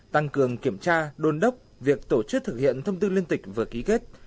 tăng cường kiểm tra đôn đốc việc tổ chức thực hiện thông tư liên tịch vừa ký kết